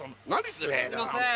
すいません